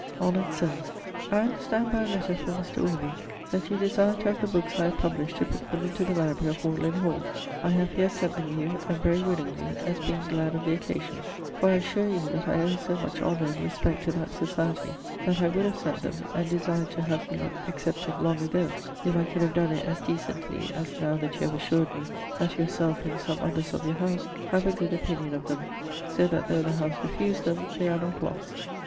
Honour'd Sir, I understand by a letter from Mr. Aubry that you desire to have the bookes I have published to put them into the library of Magdalen Hall. I have here sent them you, and very willingly, as being glad of the occasion, for I assure you that I owe so much honour and respect to that society that I would have sent them, and desired to have them accepted, long agoe, if I could have donne it as decently as now that you have assured me that your selfe and some others of your house have a good opinion of them so that though the house refuse them they are not lost.